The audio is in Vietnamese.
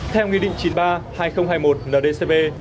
theo nghị định chín mươi ba hai nghìn hai mươi một ndcp